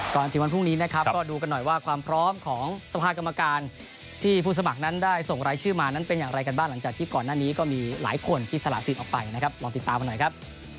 ก่อนถึงวันพรุ่งนี้นะครับก็ดูกันหน่อยว่าความพร้อมของสภากรรมการที่ผู้สมัครนั้นได้ส่งรายชื่อมานั้นเป็นอย่างไรกันบ้างหลังจากที่ก่อนหน้านี้ก็มีหลายคนที่สละสิทธิ์ออกไปนะครับลองติดตามกันหน่อยครับ